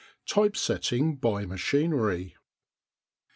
TYPE SETTING BY MACHINERY.